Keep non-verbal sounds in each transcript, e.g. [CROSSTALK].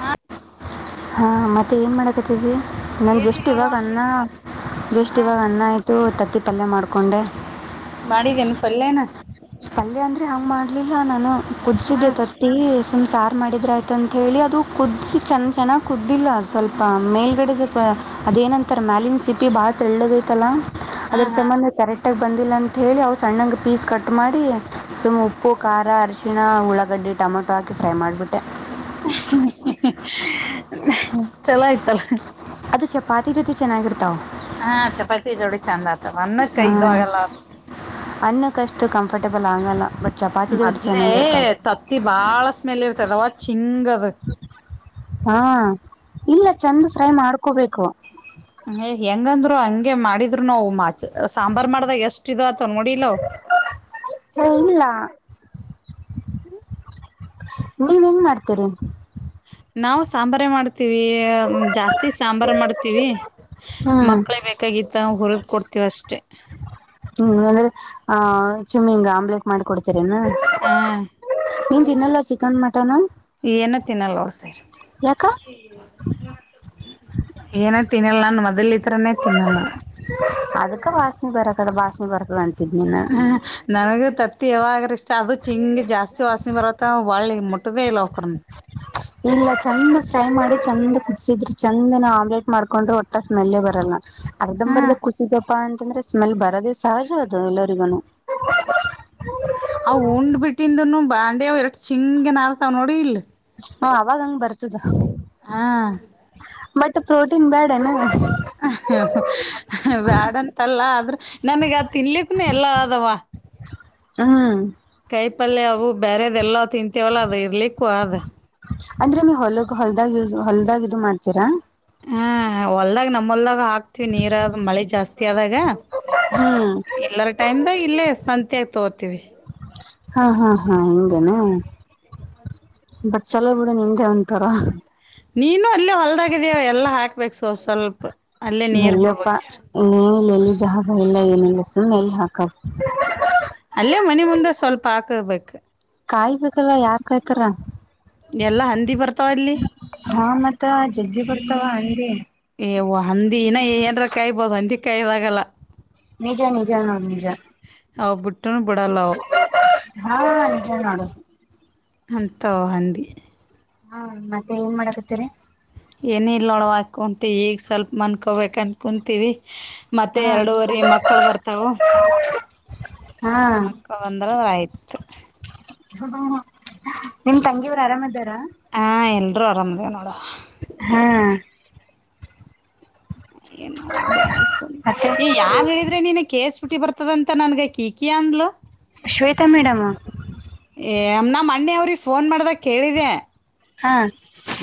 ಹಾ ಹಾ ಮತ್ತೆ ಏನ್ ಮಾಡಕತ್ತಿದಿಯ ನನ್ ಏನಿಲ್ಲ ಜಷ್ಟ್ ಇವಾಗ ನೋಡವ್ವ ಅನ್ನ ಜಷ್ಟ್ ಹ ಇವಾಗ ಅನ್ನ ಆಯ್ತು ತತ್ತಿ ಪ್ಪಲ್ಯ ಮಾಡ್ಕೊಂಡೆ ಮಾಡಿದ್ದೇನು ಪಲ್ಯನ ಪಲ್ಯ ಅಂದ್ರೆ ಹಂಗ್ ಮಾಡ್ಲಿಲ್ಲ ನಾನು ಹಾ ಕುದಸಿದ್ದೆ ತಟಿ ಸುಮ ಸಾರು ಮಾಡಿದ್ರ ಆಯ್ತುಂತೇಳಿ ಅದು ಕುಜ್ಜಿ ಚೆನ್ನ ಚೆನ್ನಾಗಿ ಕುದ್ದಿಲ್ಲ ಸ್ವಲ್ಪ ಮೇಲ್ಗಡೆ ಸ್ವಲ್ಪ ಅದೇನಂತಾರೆ ಮ್ಯಾಲಿನ್ ಸಿಪಿ ಭಾಳತ್ ಎಳ್ಳದೈತಲ್ಲ ಹಾ ಅದ್ರ ಹಾ ಸಂಬಂಧ ಕರೆಕ್ಟ್ ಆಗ ಬಂದಿಲ್ಲ ಅಂತ ಹೇಳಿ ಅವವು ಸಣ್ಣಂಗ ಪೀಸ್ ಕಟ್ ಮಾಡಿ ನಡಿ ಸುಮ್ಮನೆ ಉಪ್ಪು ಖಾರ ಅರ್ಶಿಣ ಉಳ್ಳಾಗಡ್ಡಿ ಟೊಮೊಟೊ ಹಾಕಿ ಫ್ರೈ ಮಾಡ್ಬಿಟ್ಟೆ ಚಲೋ ಆಯ್ತಲ್ಲ ಅದು ಚಪಾತಿ ಜೊತೆ ಚೆನ್ನಾಗಿರುತ್ತೆ ಹಾ ಚಪಾತಿ ಜೋಡಿ ಚೆಂದ ಆತವ ಅನ್ನಕ್ಕ ಇದು ಆಗಲ್ಲ ಇ ಕಂಫರ್ಟೆಬಲ್ ಆಗೋಲ್ಲ ಬಟ್ ಚಪಾತಿ ಜೋಡಿ ಮದ್ಲೆ ಚೆನ್ನಾಗಿರ್ತಾವ ತತ್ತಿ ಬಾಳ ಸ್ಮೆಲ್ ಇರ್ತದವ ಚಿಂಗ ಹಾ ಇಲ್ಲ ಚಂದ ಫ್ರೈ ಮಾಡ್ಕೋಬೇಕು ಏಯ್ ಹೆಂಗಂದ್ರು ಹಂಗೆ ಮಾಡಿದ್ರು ನಾವು ಮಾ ಸಾಂಬಾರ್ ಮಾಡ್ದಾಗ ಎಷ್ಟ ಇ ತೊ ನೋಡಿಲ್ಲ ಅವು ಇಲ್ಲ ಹ್ಮ ನೀವ್ ಹೆಂಗ ಮಾಡ್ತೀರಿ ನಾವು ಸಾಂಬಾರೆ ಮಾಡ್ತೀವಿ ಜಾಸ್ತಿ ಸಾಂಬಾರ್ ಮಾಡ್ತೀವಿ ಹ್ಮ್ ಮಕ್ಕಳೇ ಬೇಕಾಗಿತ್ತ ಹುರ ಕೊಡ್ತೀವಿ ಅಷ್ಟೇ ಹ್ಮ ಅಂದ್ರೆ ಆ ಚುಮಮ್ಮಿಂಗ ಆಮ್ಲೆಟ್ ಮಾಡ್ಕ ಕೊಡ್ತರ ಏನು ಹಾ ನಿವು ತಿನ್ನಲ್ಲ ಚಿಕನ್ ಮಟನ್ ಏನ ತಿನ್ನಲ್ಲ [UNINTELLIGIBLE] ಯಾಕ ಏನೇ ತಿನ್ನಲ್ಲ ನಾನ್ ಮೊದ್ಲತರನೆ ತಿನ್ನಲ್ಲ ಅದಕ್ಕೆ ವಾಸಣಿ ಪರಕದಾಸನಿ ಪರಕದೆ ಹ್ಮ ನನಗೆ ತತ್ತಿ ಯಾವಾಗ್ರ ಇಷ್ಟ ಅದು ಚಿಂಗ ಜಾಸ್ತಿ ವಾಸನೆ ಬರತ್ತ ಒಳಿ ಮುಟ್ಟದೇ ಇಲ್ಲ ಅವಕ್ರನ್ ಇಲ್ಲ ಚಂದ ಫ್ರ ಮಾಡಿ ಚಂದ ಕುದಸಿದ್ರರು ಚಂದನ ಆಮ್ಲೆಟ್ ಮಾಡ್ಕೊಂಡ್ರರು ಒಟ್ಟಾ ಸ್ಮೆಲ್ಲೇ ಬರಲ್ಲ ಹಾಂ ಅರ್ಧಂಬರ್ದ ಕುಸಿದಪ್ಪಾ ಅಂತಂದ್ರೆ ಸ್ಮೆಲ್ ಬರೋದೇ ಸಹಜ ಅದು ಎಲ್ಲರಿಗನು ಅವ ಉಂಡ್ ಬಿಟ್ಟಿಂದನು ಬಾಂಡೆ ಅವ್ ಎರಷ್ಟ ಚಿಂಗನ್ ಆರ್ತಾವ್ ನೋಡಿ ಇಲ್ ಹಾ ಅವಾಗ ಹಂಗ ಬರ್ತದ ಹಾ ಬಟ್ ಪ್ರೋಟೀನ್ ಬ್ಯಾಡನಾ ಹ ಬ್ಯಾಡಂತಲ್ಲ ಆದ್ರ ನನಗ ಅದು ತಿನ್ಲಿಕ್ಕನು ಎಲ್ಲ ಅದವ ಹ್ಮ್ ಕೈ ಪಲ್ಯ ಅವು ಬೇರೆದ್ಲ್ಲಾ ತಿಂತವಲ್ಲ ಅದು ಇರ್ಲಿಕ್ ಅಂದ್ರ ಹೊಲಗ ಹೊಲ್ದಾಗ ಹೊಲ್ದಾಗ ಇದು ಮಾಡ್ತೀರಾ ಹ ಹೊಲ್ದಾಗ್ ನಮ್ಮೊಲ್ದಾಗ ಹಾಕ ವಿ ನೀರ ಮಳೆ ಜಾಸ್ತಿ ಆದಾಗ ಹ್ಮ್ ಇಲ್ಲರ ಟೈಮ್ ದ ಇಲ್ಲೇ ತೋರ್ತೀವಿ ಹಾ ಹಾ ಹಾ ಹಿಂಗನಾ ಬಟ್ ಚಲೋ ಬಿಡ ನಿ ಉಂತಾರ ನೀನು ಅಲ್ಲೇ ಹೊಲ್ದಾಗಿದ್ಯ ಎಲ್ಲಾ ಹಾಕ್ಬೇಕು ಸ್ರರೋ ಸ್ವಲ್ಪ ಅಲ್ಲೇ ನೀರು ಹೇಳಲ್ಲಿಪ್ಪಾ ಬಿಡ್ಬೇಕು ಜರ ಇಲಿ ಜ ಎಲ್ಲ ಏನಲ್ಲ ಸುಮ್ಮನೆ ಎಲೆ ಹಾಕ ಅಲ್ಲೇ ಮನೆ ಮುಂದೆ ಸ್ವಲ್ಪ ಹಾಕಬೇಕು ಕಾಯ್ಬೇಕಲ್ಲ ಯಾರ್ ಕಾಯತಾರ ಎಲ್ಲಾ ಹಂದಿ ಬರ್ತಾವ ಅಲ್ಲಿ ಅತ್ತ ಜಬ್ಬ ಬರ್ತಾವ ಅಂದರೆ ಏವ ಹಂದಿನ ಏನ್ರ ಕಾಯಬೋದು ಹಂದಿ ಕಾಯದಾಗಲ್ಲ ನಿಜೆ ನಿಜೆ ನ ಹ ಬುಟ್ಟನು ಬಡಾ ಲಾಾವ ಹಾ ನಿಜ ನೋಡು ಅಂತಹಂದ ಹಾ ಮತ್ತೆ ಏನ್ ಮಾಡಕತ್ತೀರಿ ಏನ ಇಲ್ ನೋಡವ ಕುಂತ ಈಗ ಸ್ವಲ್ಪ ಮನ್ಕೊಬೇಕು ಅಂತ ಕುಂತೀವಿ ಮತ್ತೆ ಹಾ ಎರಡೂವರಿ ಮಕ್ಕಳ ಬರ್ತವು ಹಾ ಮಕ್ಕಳ ಬಂದ್ರಂದ ಆಯ್ತ್ ನಿಮ ತಂಗಿಯವ್ರು ಆರಾಮ ಇದಿದ್ದಾರೆ ಹಾ ಎಲ್ರುೂ ಆರಾಮದವ ನೋಡ ಹಾ ಏ ಬಳ್ಕ ಮತ್ತೆ ಯಾರ್ ಹೇಳಿದ್ರೆ ನೀನ ಕೇಸ್ಬಿಟ್ಟ ಹಟ್ಟಿ ಬರ್ತದಂತ ನನ್ಗೆ ಕಿಕಿ ಅಂದ್ಲಲು ಶ್ವೇತಾ ಮೇಡಮ ಏ ನಮ್ಮ ಅಣ್ಣೆ ಅವ್ರಿಗೆ ಫೋನ್ ಮಾಡ್ದಾಗ ಕೇಳಿದೆ ಹಾ.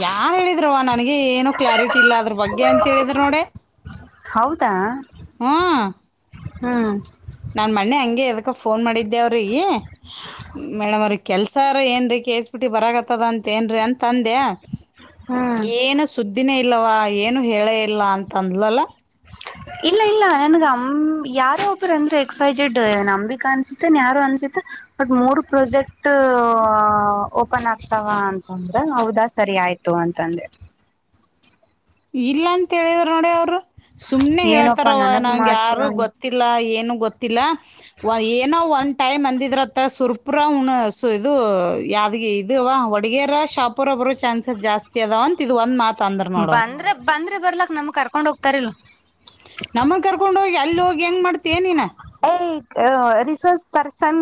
ಯಾರ್ ಹೇಳಿದ್ರವ ನನ್ಗೆ ಏನು ಕ್ಲಾರಿಟಿ ಇಲ್ಲ ಅದ್ರ ಬಗ್ಗೆ ಅಂತ ಹೇಳಿದ್ರ ನೋಡ. ಹೌದಾ. ಹ್ಮ. ಹ್ಮ್ ನಾನ್ ಮಣ್ಣೆ ಹಂಗೆ ಎದಕ್ಕ ಫೋನ್ ಮಾಡಿದ್ದ. ವ್ರೀ ಮೇಡಮ್ ಅವ್ರ ಕೆಲ್ಸಾರ ಏನ್ ರೀ ಕೇಸ್ ಪಿಟಿ ಬರತ್ತದ ಅಂತ ಏನ್ರೀ ಅಂತ. ಅಂದೆ ಹ್ಮ್ ಏನು ಸುದ್ದಿನೇ ಇಲ್ಲವಾ ಏನು ಹೇಳೇ ಇಲ್ಲ ಅಂತ ಅಂದ್ಲಲ್ಲ. ಇಲ್ಲ ಇಲ್ಲ ನನ್ಗ ಅಮ ಯಾರೋ ಒಬ್ಬರು ಅಂದ್ರೆ ಎಕ್ಸೈಟೆಡ್ ನಂಬಿಕ ಅನ್ಸತ್ತೇನ್ ಯಾರು ಅನ್ಸತ್ತ ಬಟ್ ಮೂರು ಪ್ರಾಜೆಕ್ಟ್ ಓಪನ್ ಆಗ್ತಾವ ಅಂತಂದ್ರೆ ಹೌದಾ ಸರಿ ಆಯ್ತು ಅಂತಂದೆ ಇಲ್ಲ ಅಂತೇಳಿದರು ನೋಡಿ ಅವರು ಸುಮ್ನೆ ಹೇಳ್ತಾರ ಏನಪ್ಪಾ ನನಗ್ ನಂ್ಗೆ ಯಾರು ಮಾಡ್ತಾರ ಗೊತ್ತಿಲ್ಲ ಏನು ಗೊತ್ತಿಲ್ಲ ಏನೋ ಒಂ ಟೈಮ್ ಅಂದಿದ್ರತ್ತ ಸುರ್ಪುರ ಸ ಇದು ಯಾವ್ ಇ ಹೊಡಗರ ಶಾಪರ ಒರು ಚಾನ್ಸಸ್ ಜಾಸ್ತಿ ಅದಾವ ಅಂತ ಇದ್ ಒಂದ್ ಮಾತ ಅಂದ್ರ ನೋಡ ಅವರು ಅಂದ್ರ ಬರ್ಲಕ್ಮ ನಮ್ಮಗ್ ಕರ್ಕೊಂಡ ಹೋಗಿ ಅಲ್ಲಿ ಹೋಗಿ ಹೆಂಗ್ ಮಾಡ್ತನಿನ. Resource person.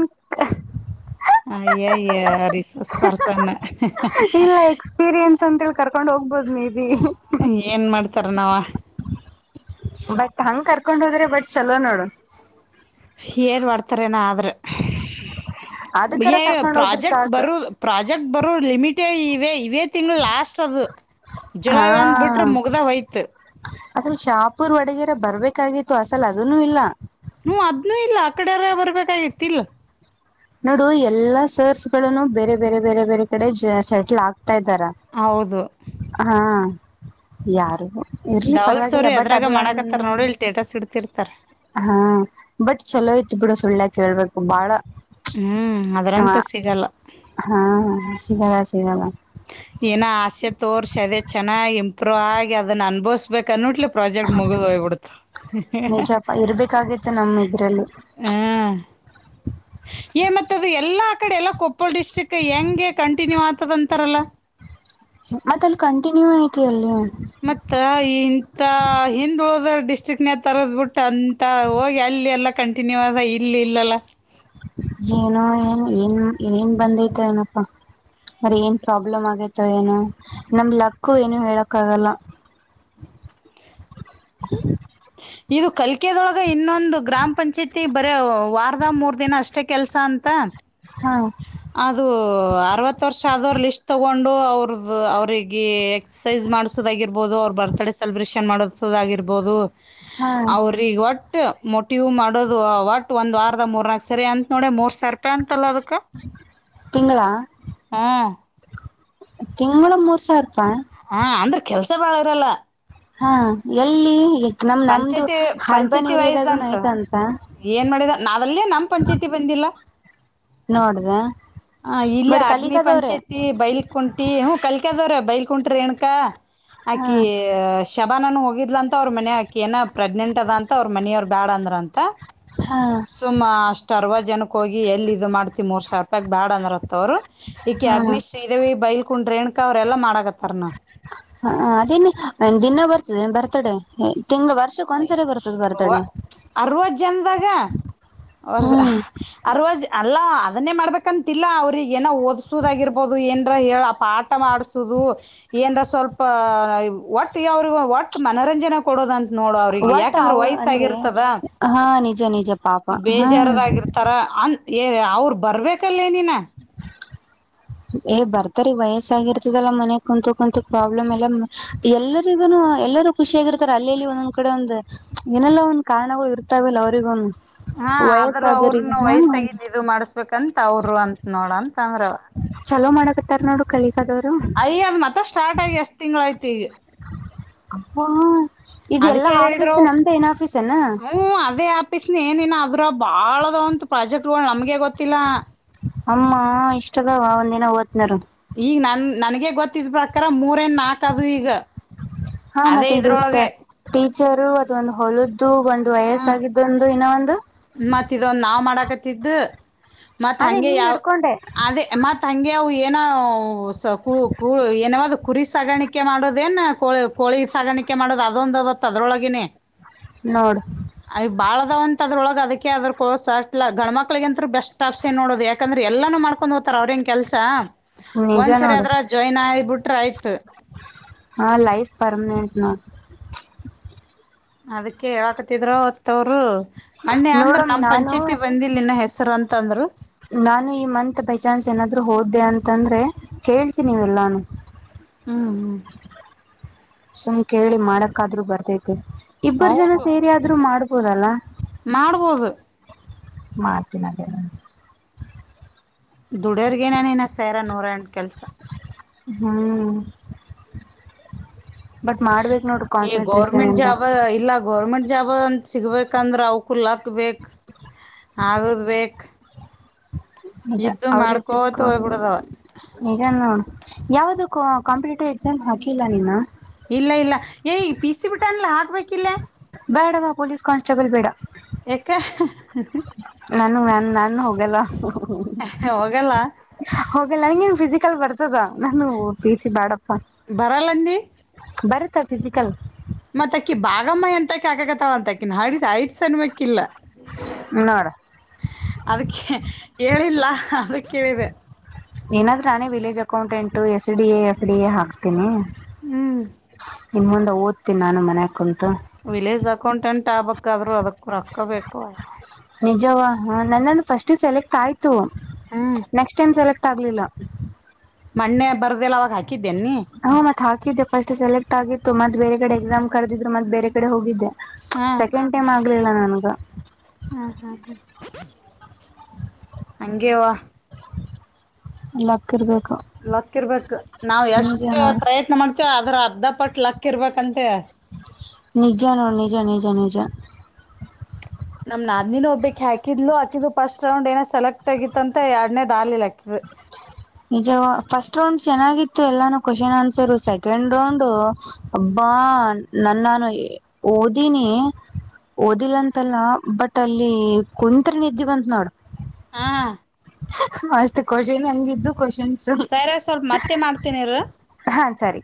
ಅಯ್ಯಯ್ಯ ರಿಸಸ್ ಪರ್ಸನ್ ಇಲ್ಲ ಎಕ್ಸ್ಪೀರಿಯನ್ಸ್ ಅಂತಿ ಕರ್ಕೊಂಡ್ ಹೋಗ್ಬೋದು ಏನ್ ಮಾಡ್ತಾರ ನಾವ ಬಟ್ ಹಂಗ್ ಕರ್ಕೊಂಡ್ ಹೋದ್ರಿ ಬಟ್ ಚಲೋ ನೋಡು. ಏನು ಮಾಡಡ್ತಾರೇನ ಆದ್ರೆ. ಅದಕರ ಕರ್ಕೊಂಡ್ ಹೋದ್ರ ಪ್ರಾಜೆಕ್ಟ್ ಸಾಕ್ ಬರ ಪ್ರಾಜೆಕ್ಟ್ ಬರ ಲಿಮಿಟೆ. ಇೇ ಇವೇ ತಿಂಗಳು ಲಾಸ್ಟ್ ಅದು ಹಾ ಜುಲೈ ಅಂದು್ ಬಿಟ್ರೆ ಮುಗ್ದ ಹೋಯ್ತು. ಪೂರ್ ಒಡಗರ ಬರ್ಬೇಕಾಗಿತ್ತು ಅಸಲ್ ಅದೂ ಇಲ್ಲ ನೂ ಅದ್ನೂ ಇಲ್ಲ ಆ ಕಡೆರ ಬರ್ಬೇಕಾಗಿತಿಲ್ ನೋಡು ಎಲ್ಲಾ ಸರ್ಸ್ ಗಳನು ಬೇರೆ ಬೇರೆ ಬೇರೆ ಬೇರೆ ಕಡೆ ಸೆಟ್ಲ್ ಆಗ್ತ ಹತಾ ಇದ್ದಾರ ಹೌದು ಹಾ ಯಾರು ಇರ್ಲಿ ಧವಲ್ ಪರವಾಗಿಲ್ಲ ಸೋರಿ ಬಟ್ ಅದ್ರಾಗ ಅದು ಒಂದು ಮಾಡಾಕತ್ತಾರ ನೋಡಿ ಇಲ್ಲಿ ಸ್ಟೇಟಸ್ ಇಡ್ತಿರ್ತಾರೆ ಹಾ ಬಟ್ ಚಲೋ ಇತ್ ಬಿಡ ಸುಳ್ಳ್ಯಕ್ ಹೇಳ್ಬೇಕು ಬಾಳ. ಹ್ಞೂ ಹ ಅದರಂತ ಸಿಗಲ್ಲ ಹಾ ಸಿಗ ಸಿ ಬ. ಏನೋ ಹಾಗೆ ಅದನ್ನ ಅನ್ಭವ್ಬೇಕು ಅನ್ಟ್ಲ. ನಿಜಪ ಇರ್ಬೇಕಾಗಿತ್ತು ನಮ್ಮ ಇದರಲ್ಲಿ. [INAUDIBLE] ಹ್ಞೂ ಏ ಮತ್ತ ಅದು ಎಲ್ಲಾ ಕಡೆ ಎಲ್ಲ ಕೊಪ್ಪಳ ಡಿಸ್ಟ್ರಿಕ್ ಹೆಂಗೆ ಕಂಟಿನ್ಯೂ ಆಗ್ತದ ಅಂತಾರಲ್ಲ. ಮತ್ತ ಅಲ್ಲಿ ಕಂಟಿನ್ಯೂ ಐತಿ ಅಲ್ಲಿ ಉಂಟ. ಮತ್ತ ಇಂತ ಹಿಂದ ಉಳದ ಡಿಸ್ಟ್ರಿಕ್ನ ತರದ್ಬಿಟ್ಟ ಅಂತ ಹೋಗಿ. ಲ್ಲಿ ಎಲ್ಲ ಕಂಟಿನ್ಯೂ ಅ ಇಲ್ಲಿ ಇಲ್ಲಲ್ಲ. ಏನೋ ಏನ್ ಏನ್ ಏನ್ ಬಂದೈತ ಏನಪ್ಪಾ. ಅ್ರ ಏನ್ ಪ್ರಾಬ್ಲಮ್ ಆಗೇತ ಏನು ನಮ್ ಲಕ್ಕು ಏನು ಹೇಳಕ್ ಆಗಲ್ಲ. ಹ್ಮ ಇದು ಕಲ್ಕದೊಳಗೆ ಇನ್ನೊಂದು ಗ್ರಾಮ ಪಂಚಾಯತಿ ಬರ ವಾರದ ಮೂರು ದಿನ ಅಷ್ಟೇ ಕೆಲಸ ಅಂತ. ಹಾ ಅ ಅರ್ ತೊಂಡ. ್ರ ಅವರಿಗೆ ಎಕ್ಸಸೈಸ್ ಮಾಡಸುದಾಗಿರ್ಬಹುದು ಅವ್ರ ಬರ್ತ್ಡೇ ಸೆಲೆಬ್ರೇಷನ್ ಮಾಡಾಗಿ. ಇರ್ಬೋದು ಹಾ ಅವ್ರಗ ಒಟ್ಟ. ಮೊಟಿವ್ ಮಾಡೋದು ಒಟ್ ಒಂದ್ ವಾರದ ಮೂರ್ನಾಾಕಕ್ ಸರಿ ಅಂತ ನೋ ಮೂರ್ ಸಿರ ರೂಪಾಯಿ ಅಂತಲ್ಲ ಅದಕ್. ತಿಂಗಳ ಹ್ಮ್. ತಿಂಗಳ ಮೂರುಸಾವರ್ಪ. ಹಾ ಅಂದ್ರೆ ಕೆಲ್ಸ ಬಾಳ ಇರಲ್ಲ. ಹಾ ಎಲ್ಲಿ ನಮ ನಮ್ದು ಪಂಚಾಯತಿ ಅರ್ಬನ್ ಪಂಚಾಯತಿ ವೈಸ್ ಏರಿಯಾದಾಗು ಆಯ್ತ ಅಂತ ಅದಲ್ಲೇ ನಮ್ಮ್ ಪಂಚಾಯತಿ ಬಂದಿಲ್ಲ ನೋಡ್ದ ಹ ಇಲ್ಲ ಬಟ್ ಅಗ್ನಿ ಕಲಿಕದವ್ರೆ ಪಂಚಾಯ್ತಿ ಬೈಲ್ ಕುಂಟಿ ಹೂ ಕಲ್ಕ್ಯದವ್ರ ಬೈಲ್ ಕುಂಟ್ರಿ ಎಣಕಾ ಹಾ ಆಕಿ್ ಶಬಾನನು ಹೋಗಿದ್ಲ ಅಂತ ಅವ್ರ ಮನ ಆಾಕಿ ಏನ ಪ್ರೆಗ್ನೆಂಟ್ ಅದ ಅಂತ ಅವ್ರ ಮನೆಯವರು ಬ್ಯಾಡ ಅಂದ್ರಂತ ಹಾ ಸುಮ ಅಷ್ಟ್ ಅ ಜನಕ್ಕೆ ಹೋಗಿ ಎಲ್ಲಿ ಇ ಮಾಡ್ತಿ ಮೂರ್ ಸಾವಿರ ಬ್ಯಾಡ ಅಂದರತ್ತತ್ ಅವ್ರು ಈಕ ಹಾ ಅಗ್ನಿಶ್ ಇದ ಬೈಲಿ ಹಕ ಕುೊಂಡ್ರ ರೇಣುಕಾ ಅವ್ರೆಲ್ಲ ಮಾಡಕತ್ತಾರನ ಹ ಅದನ್ನ ದಿನ ಬರ್ತದೆ ಬರ್ತಾಡೆ ತಿಂಗ್ಳ ವರ್ಷಕ್ಕ ಒಂದ್ಸರಿ ಬರ್ತದ ಬರ್ತಡೆ ಹ್ಮ್ ಅವಾಜ್ ಅಲ್ಲ ಅದನ್ನೇ ಮಾಡ್ಬೇಕಂತಲ್ಲ ಅವ್ರಿಗೆ ಏನೋ ಓದಸುದಾಗಿರ್ಬಹುದು ಏನರ ಪಾಠವಾಡಸುದು ಏನರ [UNINTELLIGIBLE] ಸ್ವಲ್ಪ ಒಟ್ಟು ಯಾವರು ಒಟ್ಟು ಮನೋರಂಜನೆ ಕೊಡೋದಂತ ನೋಡ ಅವ್ರಿಗೆ ಒಟ್ ಯಾಕಂದ್ರೆ ಅವ್ರ ಅಂದ್ರೆ ವಯಸ್ಸಾಗಿರ್ತದ ಹಾ ನಿಜ ನಿಜ ಪಾಪ ಹ್ಮ್ ಬೇಜಾರದಾಗಿರ್ತಾರ [UNINTELLIGIBLE] ಏ ಅವ್ರು ಬರ್ಬೇಕಲ್ಲೇ ನಿನ ಏ ಬರ್ತರಿ ವಯಸ್ಸಾಗಿರ್ತದಲ್ಲಾ ಮನೆ ಕುಂತು ಕುಂತು ಪ್ರಾಬ್ಲಮ್ ಎಲ್ಲ ಎಲ್ಲರಿಗುನು ಎಲ್ಲರೂ ಖುಷಿಯಗಿರ್ತಾರೆ ಅಲ್ಲಿಲ್ಲಿ ಒಂದೊಂದ್ ಕಡೆ ಒಂದ್ ಏನೆಲ್ಲಾ ಒಂದ್ ಕಾರಣಗಳು ಇರ್ತಾವಿಲ್ಲ ಅವರಿಗುನು ಹಾ ಆದ್ರೂ ಅವ್ರನು ವಯಸ್ಸಾಗಿ ಇದು ಮಾಡಸ್ಬೇಕಂತ ಅವರು ಅಂತತ್ ನೋಡಂತ [UNINTELLIGIBLE] [UNINTELLIGIBLE] ಮಾಡಕತ್ತಾರ ನೋಡು ಕಲಿ [UNINTELLIGIBLE] ಮತ್ತ ಸ್ಟಾರ್ಟ್ ಆಗಿ ಎಷ್ಟ್ ತಿಂಗಳಾಯ್ತು ಈಗ [UNINTELLIGIBLE] ಇದೆಲ್ಲಾ ಅದಕ್ಕೆ ಆಫೀಸ್ ಹೇಳಿದ್ರು ನಮ್ದ ಏನ್ ಆಫೀಸ್ [UNINTELLIGIBLE] ಅಪ್ಪಸ್ನ ಏನನ್ ಅದ್ರ ಬಾಳ [UNINTELLIGIBLE] ಒಂತತ್ ಪ್ರಾಜೆಕ್ಟ್ಗಳು ನಮ್ಗೆ ಗೊತ್ತಿಲ್ಲಾ ಅಮ್ಮ ಇಷ್ಟದವ ಒಂದ್ ದಿನ ಓತಿನಿರು ಈಗ ನನ್ ನನ್ಗೆ ಗೊತ್ತಿದ ಪ್ರಕಾರ [UNINTELLIGIBLE] [UNINTELLIGIBLE] ನಾಕದು ಈಗ ಅದೇ ಇದ್ರೊಳಗೆ [UNINTELLIGIBLE] ಅದು ಒಂದು ಹೊಲ್ದು ಒಂದು ವಯಸ್ಸಾಗಿದ್ದ ಒಂದು ಇನ ಒಂದು ಮತ್ ಇದ ಒಂದ ನಾವ್ ಮಾಡಾಕತ್ತಿದ್ದು ಮತ್ ಅದೇ ಹಂಗೆ ನಿಂದ ಯಾವ ಹಿಡ್ಕೊಂಡೆ ಅದೇ ಮತ್ ಹಂಗೆ [UNINTELLIGIBLE] ಏನೋ [UNINTELLIGIBLE] ಕುರಿ ಸಾಗಾಣಿಕೆ ಮಾಡೋದ್ ಏನ ಕೋಳೆ [UNINTELLIGIBLE] ಕೋಳಿ ಸಾಗಾಣಿಕೆ ಮಾಡೋದು ಅದೊಂದತ್ತು ಅದ್ರೊಳಗಿನೇ ನೋಡು ಅಯ್ [UNINTELLIGIBLE] [UNINTELLIGIBLE] ಅದ್ರೊಳಗ್ ಅದಕ್ಕೆ [UNINTELLIGIBLE] ಗಣ ಮಕ್ಳಗ ಅಂತರು ಬೆಸ್ಟ್ ಆಪ್ಷನ್ ನೋಡುದು ಯಾಕಂದ್ರ ಎಲ್ಲೂ ಮಾಡ್ಕೊಂಡ್ ಹೊತರ ಅವ್ರ [UNINTELLIGIBLE] ಕೆಲ್ಸಾ ನಿಜ ಒಂದ್ಸರಿ ನೋಡು ಅದ್ರ ಜಾಯಿನ್ ಆಗಬಿಟ್ರ ಆಯ್ತು ಹಾ ಲೈಫ್ ಪರ್ಮನೆಂಟ್ [UNINTELLIGIBLE] ಅದಕ್ಕೆ ಹಾಳಕತಿದ್ರೂ [UNINTELLIGIBLE] ಅಂದ್ರ ನೋಡಮ್ ನಮ್ ನಾನು ಪಂಚಾಯತಿ ಬಂದಿಲ್ಲ ಇನ್ನ [UNINTELLIGIBLE] [UNINTELLIGIBLE] ಅಂತಂದ್ರು ನಾನು ಈ ಮಂತ್ ಬೈ ಚಾನ್ಸ್ ಏನಾದ್ರು ಹೋದ್ದೆ ಅಂತಂದ್ರೆ ಕೇಳ್ತೀನಿವೆಲ್ಲಾನು ಹ್ಮ್ ಹ್ಮ್ ಸುಮ್ ಕೇಳಿ ಮಾಡಕ್ಕಾದ್ರು ಬರ್ದೈತೆ ಇಬ್ಬರು ಜನ ಹೌದು ಸೇರಿ ಅದ್ರು ಮಾಡ್ಬೋದಲ್ಲ ಮಾಡ್ಬೋದು [UNINTELLIGIBLE] ದುಡ್ಯೋರ್ಗ [UNINTELLIGIBLE] ನೂರ [UNINTELLIGIBLE] ಹ್ಮ್ ಬಟ್ ಮಾಡ್ಬೇಕ್ ನೋಡ್ರಿ ಈ ಕಾನ್ಸಂಟ್ರೇಷನ್ ಗೌರ್ಮೆಂಟ್ ಇಂದ ಜಾಬ್ ಇಲ್ಲ ಗೌರ್ಮೆಂಟ್ ಜಾಬ ಅಂತ ಸಿಗ್ಬೇಕ್ ಯಕಂದ್ರ ಅವಕು ಲಕ್ ಬೇಕು ಆಗದ್ ಬೇಕು ನಿಜ ಇದ್ದು [UNINTELLIGIBLE] ಮಾಡ್ಕೋತ ಹೋಗ್ಬಿಡೋದವ ನಿಜ [UNINTELLIGIBLE] ಯಾವುದು ಕಾಂಪಿಟೇಟಿವ್ ಎಕ್ಸಾಮ್ ಹಾಕಿಲ್ಲ ನಿನು ಇಲ್ಲ ಇಲ್ಲ ಏ ಪೀಸಿಬಿಟ್ಟನ್ಲ ಹಾಕ್ಬೇಕಿಲ್ಲ ಬೇಡವಾ ಪೊಲೀಸ್ ಕಾನ್ಸ್ಟೇಬಲ್ ಬೇಡ ಏಕೆ [UNINTELLIGIBLE] ನಾನು ನಾನ್ ನಾನು ಹೋಗಲ್ಲ [UNINTELLIGIBLE] [UNINTELLIGIBLE] ಹೋಗಲ್ಲ ನಂಗೇನ್ ಫಿಸಿಕಲ್ ಬರ್ತದ ನಾನು ಪಿಸಿ ಬ್ಯಾಡಪ್ಪ ಬರಲ್ಲಂದಿ ಬರುತ್ತಾ ಫಿಸಿಕಲ್ ಮತ್ತ ಅಕ್ಕಿ ಬಾಗಮ್ಮ ಎಂತಕಿ [UNINTELLIGIBLE] ನೋಡ ಅದಕ್ಕೆ ಹೇಳಿಲ್ಲ ಅದಕ್ಕೆೇಳಿದೆ ಏನಾದ್ರೂ ನಾನೇ ವಿಲೇಜ್ ಅಕೌಂಟೆಂಟ್ [UNINTELLIGIBLE] [UNINTELLIGIBLE] ಹಾಕಸ್ತೀನಿ ಹ್ಮ್ ಇನ್ ಮುಂದ ಓದ್ತೀನಿ ನಾನು ಮನ್ಯಾಗ್ ಕುಂತ್ ವಿಲೇಜ್ ಅಕೌಂಟೆಂಟ್ ಆಗ್ಬಕ್ ಆದ್ರು ಅದಕ್ಕೆ ರೊಕ್ಕ ಬೇಕ [UNINTELLIGIBLE] ಹ ನನ್ನಂದು ಫಸ್ಟ್ ಸೆಲೆಕ್ಟ್ ಆಯ್ತು ಹ್ಮ್ ನೆಕ್ಸ್ಟ್ ಟೈಮ್ ಸೆಲೆಕ್ಟ್ ಆಗ್ಲಿಲ್ಲ. ಮನ್ನೇ ಬರ್ದಿಲ್ಲ ಅವಾಗ್ ಹಾ ಹಾ ಮತ್ತ ಹಾಕಿದ್ದೆ ಫಸ್ಟ್ ಸೆಲೆಕ್ಟ್ ಆಗಿತ್ತ್ ಮತ್ತ ಬೇರೆ ಕಡೆ ಎಕ್ಸಾಮ್ ಕರೆದಿದ್ರು ಮತ್ತ ಬೇರೆ ಕಡೆ ಹೋಗಿದ್ದೆ. ಹಾ ಸಕೆಂಡ್ ಟೈಮ್ ಆಗ್ಲಿಲ್ಲ ನನಗ್. ಅಂಗೆವಾ ಲಕ್ ಇರಬೇಕು. ಲಕ್ ಇರ್ಬೇಕ ನಾವ್ ಎಷ್ಟು ನೋಡ ಪ್ರಯತ್ನ ಮಾಡ್ತೇವ ಅದರ್ ಅರ್ಧ ಪಟ್ಟ ಲಕ್ಕ್ ಇರ್ಬೇಕಂತೆ. ನಿಜಾನ ನಿಜ ನಿಜಾನ. ನಮ್ ನಾದ್ನಿನು ಒಬ್ಬಕ್ಕಿ ಹಾಕಿದ್ಲು ಆಕಿದು ಫಸ್ಟ್ ರೌಂಡ್ ಏನ ಸೆಲೆಕ್ಟ್ ಆಗಿತ್ತಂತ ಯಾಡನೆದ್ ಆಗ್ಲಿಲ್ಲ ಅಕ್ಕಿದು. ನಿಜ ಫಸ್ಟ್ ರೌಂಡ್ ಚೆನ್ನಾಗಿತ್ತು ಎಲ್ಲಾನು ಕ್ವಷನ್ ಆನ್ಸರ್ ಸೆಕೆಂಡ್ ರೌಂಡು ಅಬ್ಬಾ ಅಬ್ಭಾ ನನ್ನಾನ ಓದೀನಿ ಓದಿಲ್ಲ ಅಂತಲ್ಲ ಬಟ್ ಅಲ್ಲಿ ಕುತ್ರಿ ನಿದ್ದಿ ಬಂತ್ ನೋಡ್. ಹಾ ಅಷ್ಟ ಕ್ವಷನ್ ಹಂಗಿದ್ದು ಕ್ವಷನ್ಸು. ಸರಿ ಸ್ವಲ್ಪ ಮತ್ತೆ ಮಾಡ್ತೀನಿರು. ಸರಿ